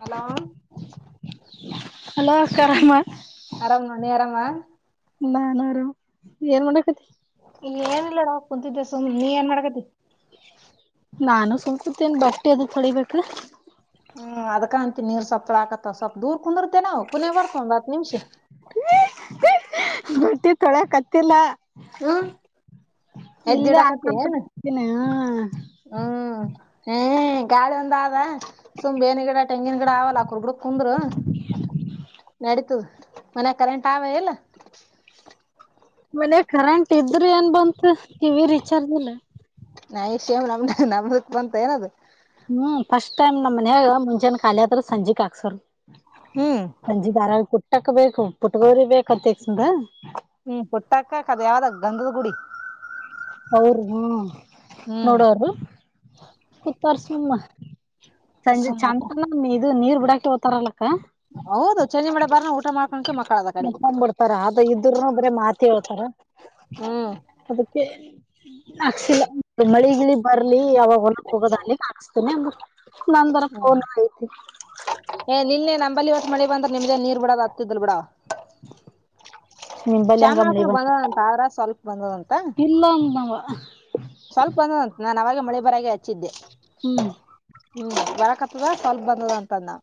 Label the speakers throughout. Speaker 1: Hello
Speaker 2: [unintelligible] hello ಅಕ್ಕರ ಮಾತ
Speaker 1: ಆರಾಮ ನೋಡು ನೀ ಆರಾಮಾ.
Speaker 2: ನಾನ ಆರಾಮ ಏನ್ ಮಾಡಕತಿ.
Speaker 1: ಏನಿಲ್ಲ ನೋಡ್ ಕುಂತಿದೆ ಸುಮ್ ನೀ ಏನ್ ಮಾಡ್ಕತಿ.
Speaker 2: ನಾನು ಸುಮ್ ಕುಂತೀನಿ ಬಟ್ಟೆ ಅದ ತೊಳಿಬೇಕ.
Speaker 1: ಹ್ಮ್ ಅದಕಂತಿ ನೀರ್ ಸವೊಪ್ಳ ಆಕತವ ಸ್ವಲ್ಪ ದೂರ್ ಕುಂದಿರ್ತೇ ನವ ಪುಣ್ಯ ಬರ್ತ ಒಂದು ಹತ್ ನಿಮಿಷ.
Speaker 2: ಬಟ್ಟಿ ತೊಳ ಕತ್ತಿಲ್ಲ
Speaker 1: ಹ್ಮ್
Speaker 2: ಇಲ್ಲೆ
Speaker 1: ಎದ್ದಿಡಾಕತಿ ಏನ್
Speaker 2: [unintelligible] [unintelligible]
Speaker 1: ಹ್ಮ್ [unintelligible] ಗಾಳಿ ಒಂದ ಆದ. ಸುಮ್ ಬೇವಿನ ಗಿಡ ತೆಂಗಿನ ಗಿಡ ಅವಲ್ಲ ಬುಡುಕ್ ಕುಂದ್ರ ನಡಿತದ. ಮನ್ಯಾಗಕರೆಂಟ್ ಆವ ಇಲ್ಲ.
Speaker 2: ಮನ್ಯಾಗ ಕರೆಂಟ್ ಇದ್ರು ಏನ್ ಬಂತ ಟಿವಿ ರೀಚಾರ್ಜ್ ಎಲ್ಲ.
Speaker 1: ನಾಷ್ಯಮ ನಮ್ದ ನಮ್ದತ್ ಬಂತ ಏನದು.
Speaker 2: ಹ್ಮ್ ಫಸ್ಟ್ ಟೈಮ್ ನಮ್ಮ ಮನ್ಯಾಗ ಮುಂಜಾನ ಖಾಲಿ ಆದ್ರ ಸಂಜೆಕ್ ಹಾಕ್ಸರ್.
Speaker 1: ಹ್ಮ್
Speaker 2: ಸಂಜೀದಾರಬವಾಯಿ ಕುಟ್ಟಕ್ ಬೇಕು ಪುಟ್ಗೋರಿ ಬೇಕಂತ ಎಕ್ಸಂದ.
Speaker 1: ಹ್ಮ್ ಪುಟ್ಟಕ ಕದು ಯಾವ್ದಾ ಗಂಧದ ಗುಡಿ.
Speaker 2: ಅವರು ಹ್ಮ
Speaker 1: ಹ್ಮ್
Speaker 2: ನೋಡರು. ಕೂತಾರ ಸುಮ್ಮ ಸಂಜೆ
Speaker 1: ಸುಮ್
Speaker 2: ಚಂದ
Speaker 1: ಬಿಟ್ಟ
Speaker 2: ಚಂತಾನ್ ಇದು ನೀರ್ ಬಿಡಾಕ ಹೋಗತಾರಲಕ್ಕ.
Speaker 1: ಹೌದು ಸಂಜೆ ಬರನ ಊಟ ಮಾಡ್ಕೊಂಡ ಮಕ್ಕಳದ ಕಡೆ
Speaker 2: ಮಕ್ಕೊಂದ್ಬಿಡ್ತಾರ ಆದು ಇದರುನು ಬರ ಮಾತೆ ಹೇಳ್ತಾರ.
Speaker 1: ಹ್ಮ್
Speaker 2: ಅದಕ್ಕೆ ಹಾಕ್ಸಿಲ್ಲ ಮಳಿಗಿಳಿ ಬರ್ಲಿ ಅವಾಗ ಹೊಲಕ ಹೋಗೋದಾಲೀ ಹಕಸ್ತೀನೀ ಅದ. ನಂದರ ಫೋನ ಐತಿನ್.
Speaker 1: ಏ ನಿನ್ನೆ ನಂಬಲ್ಲಿ ಇವತ್ತ್ ಮಳಿ ಬಂದ್ರ ನಿಮ್ದ ನೀರ್ ಬಿಡದು ಆಗ್ತಿದಿಲ್ಲ ಬಿಡ.
Speaker 2: [inaudible] ಹಂಗ ಮಳಿ
Speaker 1: ಚಾಮನಾಳ
Speaker 2: ಬಂತ
Speaker 1: ಬಂದದಂತ ಆದ್ರ ಸ್ವಲ್ಪ ಬಂದದಂತ..
Speaker 2: ಇಲ್ಲ ಅಂದವ.
Speaker 1: ಸ್ವಲ್ಪ ಬಂದಾದಂತ ನಾನ ಅವಾಗ ಮಳೆ ಬರಾಗೆ ಹಚ್ಚಿದ್ದೆ.
Speaker 2: ಹ್ಮ್
Speaker 1: ಹ್ಮ್ ಬರ್ಕತ್ತದ ಸ್ವಲ್ಪ ಬಂದಾದ ಅಂತ ಅದನ್.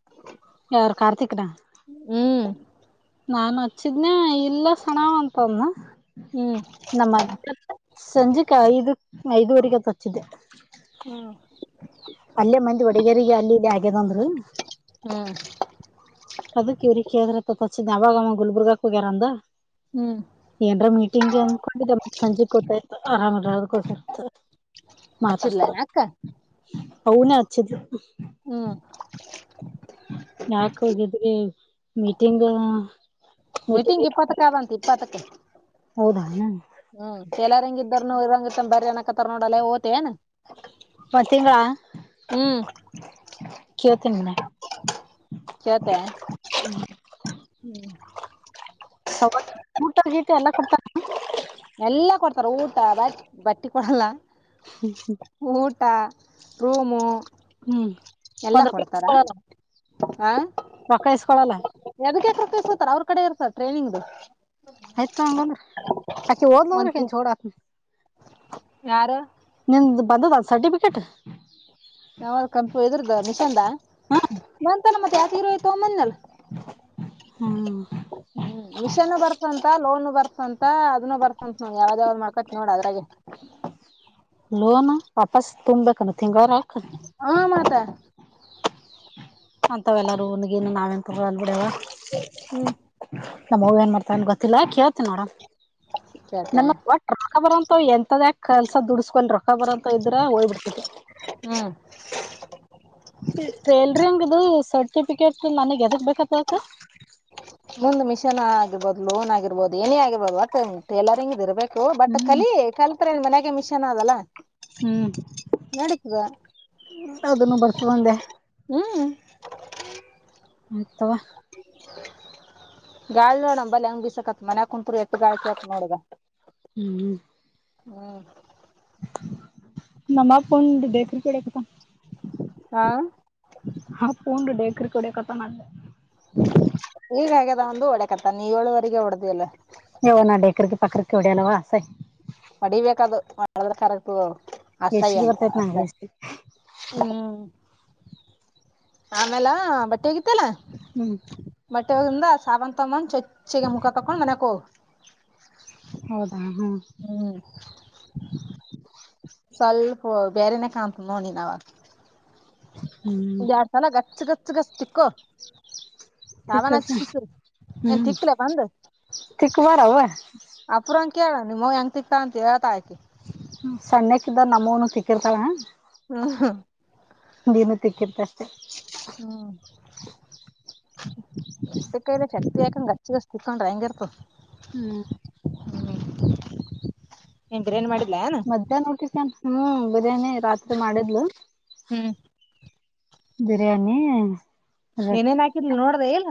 Speaker 2: ಯಾರ ಕಾರ್ತಿಕ್ ನಾ.
Speaker 1: ಹ್ಮ್
Speaker 2: ನಾನು ಹಚ್ಚಿದ್ನ ಇಲ್ಲ ಸಣ್ಣವ್ವ ಅಂತಂದ.
Speaker 1: ಹ್ಮ್
Speaker 2: ನಮ್ಮ [unintelligible] ಸಂಜಕ್ಕೆ ಐದಕ ಐದುವರೆಗೆ ತಚ್ಚಿದ್ದೆ.
Speaker 1: ಹ್ಮ್
Speaker 2: ಅಲ್ಲೇ ಮಂದಿ ವಡಗೇರಿ. ಅಲ್ಲಿ ಇಲ್ಲಿ ಆಗ್ಯದ ಅಂದರು
Speaker 1: ಹ್ಮ್
Speaker 2: ಅದಕ್ಕೆ ಇವರಿಕ್ಕೆ್ರ ಅವಾಗಮ್ಮ ಗುಲ್ಬುರ್ಗಕ್ ಹೋಗ್ಯಾರಂದ.
Speaker 1: ಹ್ಮ್
Speaker 2: ಏನರ ಮೀಟಿಂಗ್ ಅಂದ್ಕೊಂಡೆಮ್ಮತ್ ಸಂಜೆ ಕೂತಾತ ಆರಾಮ ಕೋರ್ತ ಮಾತಾತ
Speaker 1: ಹಚ್ಚಿದ್ಲೇನ ಅಕ್ಕ
Speaker 2: ನ ಅಚ್ಚಿದ
Speaker 1: ಹ್ಮ್
Speaker 2: ಯಾಕ ಹೋಗಿದ್ಿ ಮೀಟಿಂಗ್
Speaker 1: ಮೀಟಿಂಗ್ ಇಪ್ಪತ್ತಕ್ಕ ಆಗಂತ ಇಪ್ಪತ್ತಕ್ಕೆ
Speaker 2: ಹೌದಾ
Speaker 1: ಹ್ಮ್ ಚ ಎಲ್ಲಾರಂಗ ಇದರುನು ಇರಂಗತ್ತ ಬರಿ ಅನಕತ್ತಾರ ನೋಡಲ್ಲ ಓತೇಏನ್
Speaker 2: ಮತ್ತಂಗ
Speaker 1: ಹ್ಮ್
Speaker 2: ಕೇಳ್ತೀನ ನ
Speaker 1: ಕತೆ ಹ್ಮ್
Speaker 2: ಊಗತೆ ಎಲ್ಲ ಕೊಡ್ತ
Speaker 1: ಎಲ್ಲ ಕೊಡ್ತಾರ ಊಟ ಬ ಬಟ್ಟಿ ಕೊಡಲ್ಲ ಊಟ ರೂಮು
Speaker 2: ಹ್ಮ್
Speaker 1: ಎಲ್ಲಾ ಕೊಡ್ತಾರಾ
Speaker 2: ಮಕ್ಕಳ ಇಸ್ಕೊಳಲ್ಲ
Speaker 1: ಎದ ಸರ್ ಅವ್ರ ಕಡೆ ಇರ್ತರ್ ಟ್ರೈನಿಂಗ್ು
Speaker 2: ಆಯ್ತು ಹಂಗಂದ್ರ ಆಕಿ ಹೋದ್ಲಂದ್ರ ಕೆಂಚೋಡಾತ್ನ
Speaker 1: ಯಾರು
Speaker 2: ನಿಮ್ ಬಂದದ ಅ ಸರ್ಟಿಫಿಕೇಟ್
Speaker 1: ಯಾವಾಗ್ ಕಂಪ ಇದ್ರ್ದ ನಿಶಂದ ನಂತ ಮತ್ೆ ಯ ಇರ ಕಮನ್ನಲ್
Speaker 2: ಹ್ಮ್
Speaker 1: ಹ್ಮ್ ವಿಷನು ಬರ್ತಂತ ಲೋನು ಬರ್ತಂತ ಅದನ್ನು ಬರ್ತಂತ ನ ಯಾವ್ದಾವ್ದ್ ಮಾಡ್ಕೊತಿ ನೋಡ ಅ್ರಾಗೆ
Speaker 2: ಲೋನ್ ವಾಪಸ್ ತುಂಬ್ಬೇಕ ತಿಂಗರಕ್
Speaker 1: ಹಾ ಮಾತಾ
Speaker 2: ಅಂತಾವ ಎಲ್ಲಾರೂ ನ್ಗೇನು ನಾವೇನ್ ತಗಲ್ ಬಿಡವ
Speaker 1: ಹ್ಮ್
Speaker 2: ನಮ್ ಹಗ ಏನ್ ಮಾಡ್ತಾ ಅಂದ ಗೊತ್ತಿಲ್ಲಾ ಕೇಳ್ತ ನೋಡ
Speaker 1: ಕೇಳ್ತೆ
Speaker 2: ನನ್ನ ಒಟ್ಟ ರೊಕ್ಕ ಬರಂತ ಎಂತದ ಕೆಸ ದುಡಸ್ಕೊಿ ರೊ ಬರಂತ ಇದ್ರ ಹಓಯ್ ಬಿಿಡ್ತದೆ
Speaker 1: ಹ್ಮ್
Speaker 2: ಸೇಲ್ರಿ ಹಂಗದು ಸರ್ಟಿಫಿಕೇಟ್ ನನಗ್ ಎದಗ್ ಬೇಕತ್ತ ಅಕ
Speaker 1: ಮುಂದ್ ಮಿಷನ್ ಆಗಿರ್ಬೋದು ಲೋನ್ ಆಗಿರ್ಬೋದು ಏನೇ ಆಗಿರ್ಬೋದು ಮ ಟೇಲರಿಂಗ್ ಇರ್ಬೇಕು ಹೋ ಬಟ್
Speaker 2: ಹ್ಮ್
Speaker 1: ಕಲಿ ಕಲ್ತ್ರ ನ್ ಮನ್ಯಾಗ ಮಿಷನ್ ಆದದಲ್ಲ
Speaker 2: ಹ್ಮ್
Speaker 1: ನಡತದ
Speaker 2: ಅದನ್ನು ಬರ್ಸಬಂದೆ
Speaker 1: ಹ್ಮ
Speaker 2: ಆಯ್ತವಾ
Speaker 1: ಗಾಳಿ ನೋಡಂಬಲ್ಲಿ ಹೆಂಗ್ ಬಿಸಕತ್ ಮನ್ಯ ಕುಂಂತುರು ಎತ್ತ ಗಾಳಿ ಕೆಪ್ ನೋಡ್ದ ಹ್ಮ್
Speaker 2: ನಮ್ಮಪ್ಪ ಒಂದು ಬೇಕ್ರ ಕೊಡಬೇಕ
Speaker 1: ಹಾ
Speaker 2: ಹಾ ಪೂಂಡ ಡೇಕರಿ ಕೊಡ ಕತ ಮಾಡ್ದೆ
Speaker 1: ಈಗ ಹಾಗದ ಒಂದು ಓಡೆಕತ್ತ ನೀವು ಏಳುವರೆಗೆ ಹೊಡೆ್ದ್ಲ್ಲ
Speaker 2: ಯವ ನ ಡೆೇಕರಿರಿಗೆಿ ಪಕರಿಕ್ಕೆವಡ್ಯ ಅಲ್ಲ ವಸ
Speaker 1: ಹೊಡಿಬೇಕದು ಮಾಡದ್ರೆ ಕರೆಕ್ಟ ಅಸಾಯ್ಯ
Speaker 2: ಎಸಿಗೆ
Speaker 1: ಅಂತ
Speaker 2: ಬರ್ತೈತ್
Speaker 1: ಅಷ್ಟ
Speaker 2: ನಂಗೆ ಎಸಿ
Speaker 1: ಹ್ಮ್ ಆಮೇಲ ಬಟ್ಟೆಗಿತ್ತಲ್ಲಾ
Speaker 2: ಹ್ಮ್
Speaker 1: ಬಟ್ಟೆ ಹೋಗಿಂದ ಸಾವಂತ ತಗೊಂಡ್ ಚೊಚ್ಚಗ ಮುಖ ಕಕೊಂಡ್ ಮನ್ಯಕ್ ಹೋಗ
Speaker 2: ಹೌದಾ ಹ್ಮ್
Speaker 1: ಹ್ಮ್ ಸ್ವಲ್ಪ ಬೇರೆನ ಕಾಣ್ಂತ ನೋಡು ನೀನವಾಗ
Speaker 2: ಹ್ಮ್
Speaker 1: ಚಲ ಗಚ್ಚ ಗಚ್ಗಸ್ತಿಕ್ಕೋ
Speaker 2: ತಿಕ್ಕ
Speaker 1: ಶಬಾನಾ ಹಚ್ಸ ಏನ್
Speaker 2: ಹ್ಮ್
Speaker 1: ತಿಕ್ಲೆ ಬಂದು
Speaker 2: ತಿಕ್ಕಬಾರವ
Speaker 1: ಅಪುರಾಂಗ ಕೇಳ ನಿಮ್ಮವ್ವ ಹೆಂಗ್ ತಿಗ್ತಾಳ ಅಂತ ಹೇಳ್ತಾಳ ಆಕಿ
Speaker 2: ಹ ಸಣ್ಣಕ್ಕಿದ್ದಾಗ್ ನಮ್ಮವ್ನು ತಿಕ್ಕೆಂತಳ
Speaker 1: ಹಾ ಹಾ
Speaker 2: ನೀನು ತಿಕ್ಕತ್ತಿ ಅಷ್ಟೆ
Speaker 1: ಹ್ಮ ಎಡ್ಡು ಕೈಲೆ ಶಕ್ತಿ ಆಕೆಂಡ್ ಗಚ್ಚ್ ಗಚ್ಚ್ ತಿಕ್ಕೊಂಡ್ರೆಂಗ್ ಇರ್ತದ್
Speaker 2: ಹ್ಮ್
Speaker 1: ಹ್ಮ್ ಬ್ರಿಯಾನಿ ಮಾಡಿದ್ಲಾ ಎನ್
Speaker 2: ನೋಟ [unintelligible] ಹ್ಮ್ ಬಿರಾನಿ ರಾತ್ರಿ ಮಾಡಿದ್ಲು [unintelligible]
Speaker 1: ಹ್ಮ್
Speaker 2: ಬಿರಿಯಾನೀ
Speaker 1: ಏನೇನ್ ಹಾಕಿದ್ಲ್ ನೋಡಿದ್ಯಾ ಇಲ್ಲ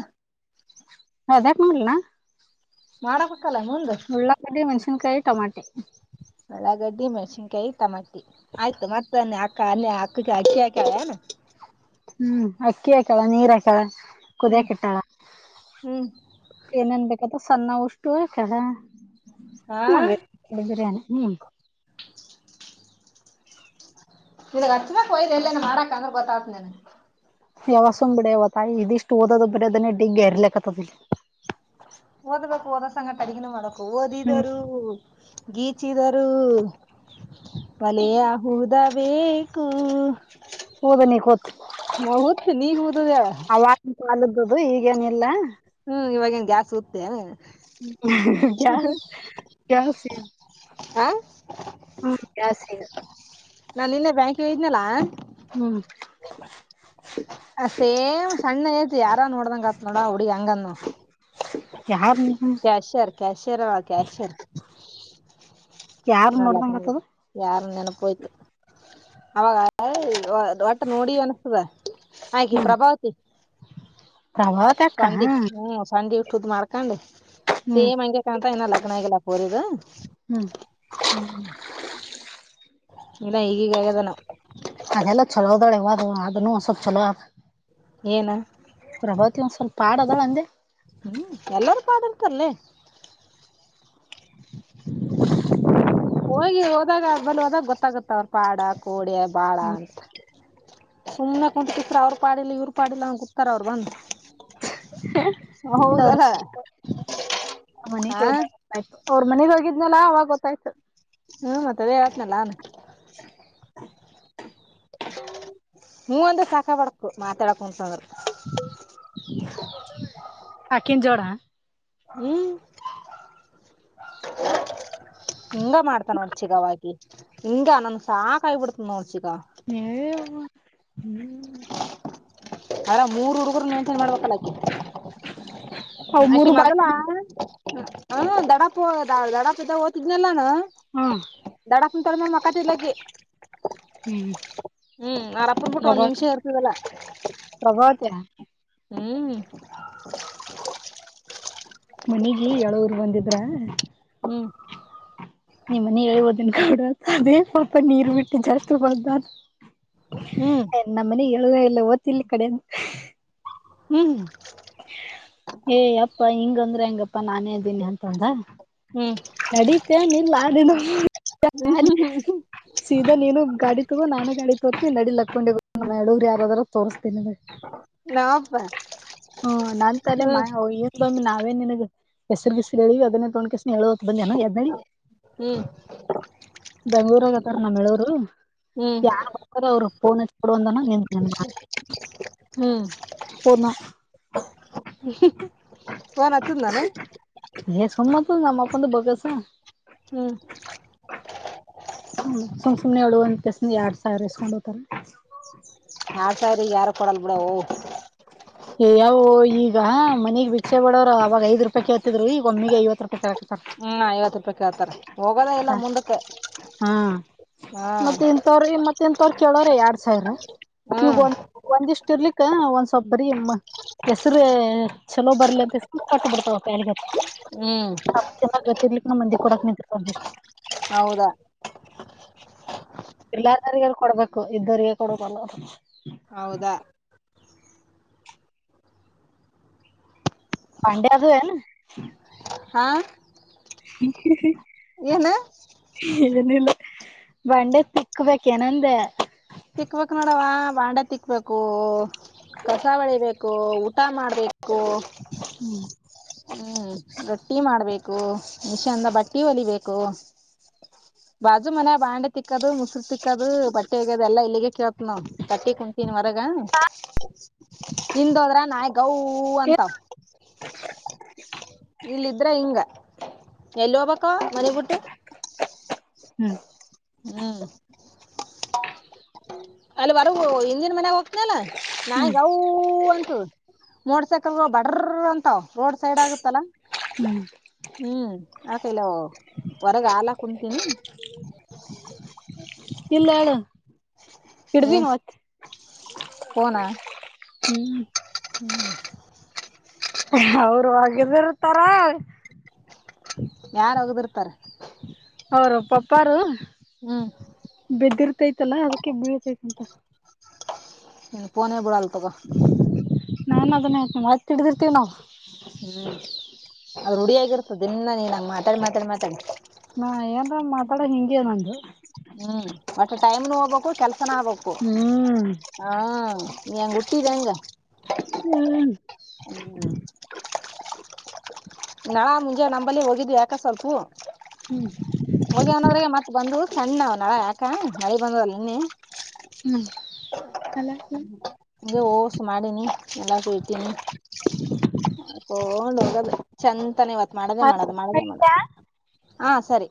Speaker 2: ಅದ್ಯಾಕ ನೋಡ್ಲಿ ನಾನು
Speaker 1: ಮಾಡಬೇಕ್ಕಲ್ಲ ಮುಂದ್
Speaker 2: ಉಳಾಗಡ್ಡಿ ಮೆಣಸಿನ್ಕಾಯಿ ಟಮಟಿ
Speaker 1: ಉಳಗಡ್ಡಿ ಮೆಣಸನ್ಕಾಯಿತ ಟಮಟ್ಟಿ ಆಯ್ತು ಮತ್ತೆತ್ ಅನ್ನೆ ಅಕ್ಕ ಅನ್ನಯ ಅಕ್ಕಗ್ ಅಕ್ಕಿ ಆಕ್ಕಯಾಳೆನ್
Speaker 2: ಹ್ಮ್ ಅಕ್ಕಿ ಹಾಕ್ಯಾಳ ನೀರ್ ಹಾಕ್ಯಾಳ ಕುದ್ಯಾಕ್
Speaker 1: ಹ್ಮ್
Speaker 2: ಕೆಟ್ಟಳ
Speaker 1: ಹ್ಮ್
Speaker 2: ಕೇನೇನ್ ಬೇಕತ್ತ ಸಣ್ಣ ಉಷ್ಟು ಹಾಕದ
Speaker 1: ಆ
Speaker 2: ಬಿರಿಯಾನಿ ಹ್ಮ್
Speaker 1: ನಿನಗ್ ಹಚ್ಬಕ್ ವಯ್ದ್ ಎಲ್ಯಾನ ಮಾಡಕ್ ಅಂದ್ರ ಗೊತ್ತಾತ್ ನನ್
Speaker 2: ಯಾವ ಸುಮ್ ಬುಡೆವ್ ತಾಯಿ ಇದಿಷ್ಟು ಓದದು ಬರ್ಯಾದನು ಡಿಗ್ಗಿ ಅರ್ಲ್ಯಾಕತ್ಯಾದ್ ಇಲ್ಲಿ
Speaker 1: ಓದ್ಬೇಕು ಓದ ಸಂಗಟ್ ಅಡಗಿನು ಮಾಡಕು
Speaker 2: ಹ್ಮ್
Speaker 1: ಓದಿದರೂ ಗೀಚಿದಾರೂ ಒಲೆಯ ಹೂದ ಬೇಕು
Speaker 2: ಓದ ನೀ ಕೂತ್
Speaker 1: ನಾಊತ್ತ್ ನೀ ಹೂದದೇಳ್
Speaker 2: ಕಾಲದುದು ಈಗೇನಿಲ್ಲಾ
Speaker 1: ಹ್ಮ್ ಇವಾಗೇನ್ ಗ್ಯಾಸ್ ಹುತ್ತೇನಿಗ್
Speaker 2: ಗ್ಯಾ [unintelligible] ಗ್ಯಾಸಿ [unintelligible]
Speaker 1: ಆ
Speaker 2: ಹ್ಮ ಗ್ಯಾಸೇ
Speaker 1: ನಾ ನಿನ್ನೇ ಬ್ಯಾಂಕಿ ಹೊಗಿದ್ನೆಲ್ಲಾ
Speaker 2: ಹ್ಮ್
Speaker 1: ಆ ಸೇಮ್ ಸಣ್ಣ ತಿ ಯಾರ ನೋಡ್ದಂಗ ಆತ್ ನೋಡ ಅಡಿ ಹೆಂಗದ್ನೋಡ್
Speaker 2: ಯಾರ
Speaker 1: ಕ್ಯಾಷರ್ ಕ್ಯಾಷರ್ ಕ್ಯಾಷರ್
Speaker 2: ಯಾರ್ ನೋಡ್ದಂಗ ಆತದ
Speaker 1: [unintelligible] ಯಾರ ನೆನಪೋಯ್ತು ಅವಾಗ [inaudible] ಒಟ್ಟ ನೋಡಿವ್ ಅನಸ್ದದ ಆಕಿ ಪ್ರಭಾವತಿ
Speaker 2: ಪ್ರಭಾತ್
Speaker 1: ಸೊಂಡಿ ಹ್ಮ ಸೊಂಡಿ ಇಟ್ಟುದ್ ಮಾಡ್ಕೊಂಡ್ ಸೇಮ್ ಹಂಗೆ ಅಂತ ಇನ್ನ ಲಗ್ನ ಆಗಿಲ್ಲ ಪೋರಿದೂ
Speaker 2: ಹ್ಮ್
Speaker 1: ಹ್ಮ್ ಇಲ್ಲ ಈಗಾಗ್ಯಾದನ
Speaker 2: ಅದೆಲ್ಲ ಚಲೋ ಅದಾಳೆವ ಅದನು ಸ್ವಲ್ಪ್ ಚಲೋ ಅ
Speaker 1: ಏನ್
Speaker 2: ಪ್ರಭವತಿ ಒಂದ್ ಸ್ವಲ್ಪ ಪಾಡ್ ಅದಳ್ ಅಂದೆ
Speaker 1: ಹ್ಮ್ ಎಲ್ಲರೂ ಪಾಡಂತರ್ಲೇ
Speaker 2: [inaudible]
Speaker 1: ಹೋಗಿ ಹೋದಾಗ ಬಲಿ ಹೋದಾಗ ಗೊತ್ತಾಗುತ್ತ ಅವ್ರ ಪಾಡ ಕೋಡ್ಯಾ ಬಾಳ ಅಂತ ಸುಮ್ಮನೆ ಕುಂತ್ಬುಟ್ರ ಅವ್ರು ಪಾಡಿಲ್ಲ ಇವ್ರು ಪಾಡಿಲ್ಲ ಅ ಕುತಾರ ಅವರ್ ಬಂದ್
Speaker 2: ಇಲ್ಲ ಅವ್ರ
Speaker 1: ಹೌದಲ್ಲ ಆ
Speaker 2: ಆಯ್ತು ಅವ್ರ ಮನೆಗ್ ಹೋಗಿದ್ನಲ್ಲ ಆವಾಗ ಗೋತ್ತಾಯ್ತು
Speaker 1: ಹ್ಮ್ ಮತ್ತದೇ ಹಳ್ತನಲ್ಲ ಹೂ ಒಂದ ಸಾಕ ಬಡಕು ಮಾತಾಡಕುಂತಂದ್ರರು
Speaker 2: ಅಕ್ಕಿನ ಜೋಡ
Speaker 1: ಹ್ಮ್ ಹಿಂಗ ಮಾಡ್ತ ನೋಡ್ ಚಿಗಾವ ಇಂಗ ನಂದು ಸಾಕೈಬಿಡತ ನೋಚಿಕ
Speaker 2: [inaudible] [unintelligible]
Speaker 1: ಹ್ಮ್ ಯರ ಮೂರು ಹುಡುಗರ ಮ ಮಾಡ್ಬೇಕಲ್ಲ ಆಕಿ
Speaker 2: ಅವ್ ಮೂರು
Speaker 1: ಆಕಿ
Speaker 2: ಬಾಳ
Speaker 1: ಮೊದಲ ಹ ದಡಪ ಹೋಗದ ದಡಪ ಇದ್ದ ಓ್ತದ್ನಲ್ಲಾನು
Speaker 2: ಹಾ
Speaker 1: ದೊಡಕೊಂಡ ತಡೆ ಮಾತಿಲ್ಲ
Speaker 2: ಹ್ಮ್
Speaker 1: ಹ್ಮ್ ಅರಪ್ಪ ಬಿಟ್ಟು ಒಂದ
Speaker 2: ಪ್ರಭಾ
Speaker 1: ನಿಮಿಷೇರ್ತದಲ್ಲ
Speaker 2: ಪ್ರಭಾವತಿ ಆ
Speaker 1: ಹ್ಮ್
Speaker 2: ಮನೆಗ ಯಳ ರ್ ಬಂದಿದ್ರ
Speaker 1: ಹ್ಮ್
Speaker 2: ನಿಮ್ಮ ಮನ ಹೇಳ್ಬೋದನ್ ಕೂಡ ಅದೇ ಸ್ವಲ್ಪ ನೀರು ಬಿಟ್ಟು ಜಾಸ್ತಿ ಬ್ದ
Speaker 1: ಹ್ಮ್
Speaker 2: ನಮ್ಮನೆ ಹೇಳಳುದ ಇಲ್ಲ ಓದತಿಲಿ ಕಡೆ
Speaker 1: ಹ್ಮ್
Speaker 2: ಏಯ ಅಪ್ಪಾ ಹಿಂಗಂದ್ರ ಹಂಗಪ್ಪಾ ನಾನೇ ಇದ್ದೀನಿ ಅಂತಂದ
Speaker 1: ಹ್ಮ್
Speaker 2: ನಡೀತೇನೆ ಇಲ್ಲ ಅನ [unintelligible] [unintelligible] ಸೀದಾ ನೀನು ಗಾಡಿ ತಗೋ ನಾನು ಗಾಡಿ ತೋತೀನಿ ನಡಿಲಿ ಹಕ್ಕೊಂಡಿಗಡೂರು ಯಾರ್ದಾದಾರೂ ನ ತೋರಿಸ್ತುನಿ
Speaker 1: ನಾವಪ್ಪ
Speaker 2: ಹ್ಮ ನನ್ ಕಲೆ ಮಾ ಹ ಬಮ್ಮ್ ನಾವೇನ್ ನಿನಗ್ ಹೆಸರು ಬಿಸಿಲು ಹೇಳಿ ಅದನ್ನೇ ತೋಕಿಸ ಹೇಳೋ ಬಂದಿನ ಎದ್ದಡಿ
Speaker 1: ಹ್ಮ್
Speaker 2: ಬೆಂಗಳೂರ್ಗತ್ತಾರ ನಮ್ಮ್ರು
Speaker 1: ಹ್ಮ್
Speaker 2: ಯ ಅವ್ರುಫೋನ್ ಇಟ್ ಕೊಡು ಅದನಾ ನಿ
Speaker 1: ಹ್ಮ್
Speaker 2: ಹೋದ್ನ
Speaker 1: ನ್ ನಚ್ಚದಾನ
Speaker 2: ಹ ಸುಮ್ಮತ ನಮ್ಮಪ್ಪಂತ ಬಗಸ
Speaker 1: ಹ್ಮ್
Speaker 2: ಹ್ಮ ಸುಮ್ ಸುಮನೆ ಎಳುಂತ ಕೆಸ ಎರಡ್ ಸಾವಿರ ಇಸ್ಕೊಂಡ್ ಹೋಗತಾರ
Speaker 1: ಆರು ಸಾವಿರ ಯಾರು ಕೊಡಲ್ ಬಿಡವು
Speaker 2: ಹ [inaudible] ಯಾವವು ಈಗ ಮನೆಗ್ ಭಿಕ್ಷೆ ಬಡೋರ ಅವಾಗ ಐವಥ್ ರೂಪಾಯಿ ಕೇಳ್ತಿದ್ರು ಈಗ ಒಮ್ಮಿಗೆ ಐವತ್ತು ರೂಪಾಯಿ ಕರ
Speaker 1: ಹಾ ಐವತ್ತು ರೂಪಾಯ ಕೇಳ್ತಾರೆ ರೆ ಹೋಗೋದ ಇಲ್ಲ ಮುಂದಕ್ಕೆ ಹಾ
Speaker 2: ತ್ರ ಮತ್ತೇನ್ ತ್ರ ಕೇಳೋರ ಎರಡ್ ಸೈಇವ
Speaker 1: ಹ್ಮ್
Speaker 2: ಒಂದ ಒಂದಿಷ್ಟ ತಿರ್ಲಿಕ್ಕ ಒಂದ್ ಸ್ಬ್ ಬರಿ ಹೆಸರು ಚಲೋ ಬರ್ಲಿ ಅಂತ ಕಟ್ಟ ಬಿಡ್ತಾವಪ್ಪಲ್ಲಿ ಗತ್ತ
Speaker 1: ಹ್ಮ್
Speaker 2: ಚೆನ್ನಾಗ ಗತ್ತಿರ್ಲಿಕ್ಕಕ್ ನ ಮಂದಿ ಕೊಡಕ್ ನಿಂತ.
Speaker 1: ಹೌದಾ
Speaker 2: ಇಲ್ಲಾದ್ರಗಏನ್ ಕೊಡ್ಬೇಕು ಇದ್ದರಿಗೆ ಕೊಡಬೇಕು ಅನ್ನೋ
Speaker 1: ಹೌದಾ
Speaker 2: ಬಾಂಡ್ಯ ಅದಾವೆನ್
Speaker 1: ಹಾ
Speaker 2: ಮ [inaudible]
Speaker 1: ಏನ
Speaker 2: ಇದನಿಲ್ಲ ಬಂಡೆ ತಿಕ್ಬೇಕೇಏನಂದ
Speaker 1: ತಿಕ್ಬೇಕಕ್ ನೋಡವಾ ಬಾಂಡೆ ತಿಕ್ಬೇಕು. ಕಸಾವಳಿಬೇಕು ಊಟ ಮಾಡಬೇಕು
Speaker 2: ಹ್ಮ್
Speaker 1: ಹ್ಮ್ ರೊಟ್ಟಿ ಮಾಡ್ಬೇಕು ಮೀಶಂದ ಬಟ್ಟಿ ಒಲಿಬೇಕು ಬಾಜು ಮನ ಬಾಂಡೆ ತಿಕ್ಕೋದು ಮುಸರು ತಿಕ್ಕದು ಬಟ್ಟೆ ಹೇಗದ ಎಲ್ಲ ಇಲ್ಲಿಗೆ ಕೇಳತ್ ನೋಡು. ಕಟ್ಟಿ ಕುತೀನ್ ಹೊರಗ ನಿಿಂದ ಹೋದ್ರ ನಾಯಿಗೌ ಅಂತವಾ
Speaker 2: [inaudible]
Speaker 1: ಇಲ್ಲ ಇದ್ರೆ ಹಿಂಗ ಎಲ್ಲಿ ಹೋಗ್ಬೇಕ ಮನೆ ಬಿುಟ್ಟು
Speaker 2: ಹ್ಮ್
Speaker 1: ಹ್ಮ್ ಅಲ್ಲಿ ಬರಗ ಹಿಂದಿನ ಮನ್ಯಾಗ ಹೋಗ್ತನಲ್ಲ ನಾಯಗವು ಅಂತ ಮೋಡ್ಸಕಲ್ ಬಡ್ರ ಅಂತಾವ ರೋಡ್ ಸೈಡ್ ಆಗುತ್ತಲ್ಲಾ ಹ್ಮ್ ಆಕಲ್ಲ ಹೊರಗ ಹಾಲ ಕುಂತೀನಿ
Speaker 2: ಹ್ಮ
Speaker 1: [unintelligible]
Speaker 2: ಹಿಡ್ದಿನ್
Speaker 1: ಏನ್
Speaker 2: ಒತ್ತಿ
Speaker 1: ಫೋನ್ ಆ
Speaker 2: ಹ್ಮ್
Speaker 1: ಹ್ಮ್
Speaker 2: ಅವರು ಹೋಗದು ಇರ್ತಾರ
Speaker 1: ಯಾರ ಹೋಗಡಿರತರ
Speaker 2: ಅವರು ಪಪಾರು
Speaker 1: ಹ್ಮ್
Speaker 2: ಬೆದಿರ್ತೈತಲ್ಲಾ ಅದಕ್ಕೆ ಬೀಳ್ತೈಂತ
Speaker 1: ನಿನ್ ಪೋನ ಬಿಳಲ್ಲ ತಗ
Speaker 2: ನಾ ಅದನ್ನೇ ಆತ ಮತ್ತ ಹಡಿದಿರ್ತೀವಿ ನಾವು
Speaker 1: ಹ್ಮ್ ಅದು ರೂಢಿಯಾಗಿರ್ತದೆ ಇನ್ನ ನೀನ್ಂಗ ಮಾತಾಡಿ ಮಾತಾಡಿ ಮಾತಾಡ್ತ
Speaker 2: ನಾ ಏನ್ ಮಾತಾಡ ಹಿಂಗಗೆ ನಂದು
Speaker 1: ಹ್ಮ್ ಮತ್ತೆ ಟೈಮ್ ನ ಹೋಗ್ಬೇಕು ಕೆಲ್ಸನ ಆಗ್ು
Speaker 2: ಹ್ಮ್
Speaker 1: ಹ್ಮ. [inaudible]
Speaker 2: [inaudible]
Speaker 1: ಹ್ಮ್. [unintelligible] ನಾ ಮುಂಜೆ ನಂಬಲ್ಲಿ ಹೋಗಿದ್ವಿ ಯಾಕ ಸ್ವಲ್ಪ ಹೋಗಿನವರ ಮತ್ತ. ಬಂದವು ಸಣ್ಣ ನ್ ನಳ ಯಾಕ ಮಳಿ ಬಂದದ ನಿನ್ನೆ.
Speaker 2: [inaudible]
Speaker 1: ಅೇ [unintelligible] ಹೋಸು ಮಾಡಿನಿ ಎಲ್ಲಕ್ಕೂ ಇತೀನಿ. ಹಗೊಂಡ್ ಹೋಗದು ಚಂತಾನ ಇವತ್ ಮಾಡದೇ
Speaker 2: ಅರ್ಥ
Speaker 1: ಮಾಡದು ಮಾಡದೇ
Speaker 2: ಆಯ್ತಾ?
Speaker 1: ಮಾಡದು. ಹಾ ಸರಿ.